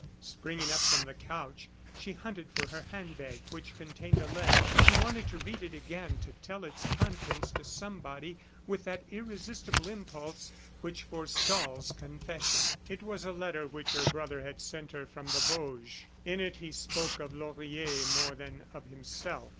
Springing up from the couch, she hunted for her handbag which contained a letter. She wanted to read it again to tell its contents to somebody with that irresistible impulse which forestalls confession. It was a letter which her brother had sent her from the Vosges. In it he spoke of Laurier more than of himself.